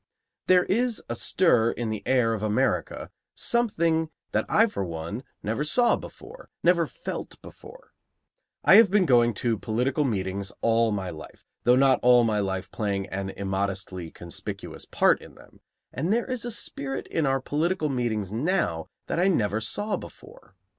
There is astir in the air of America something that I for one never saw before, never felt before. I have been going to political meetings all my life, though not all my life playing an immodestly conspicuous part in them; and there is a spirit in our political meetings now that I never saw before.